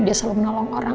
dia selalu menolong orang